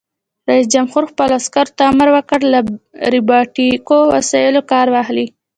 رئیس جمهور خپلو عسکرو ته امر وکړ؛ له روباټیکو وسایلو کار واخلئ!